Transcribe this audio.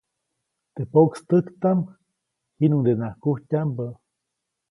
Teʼ pokstäjtaʼm jiʼnuŋdenaʼak kujtyaʼmbä.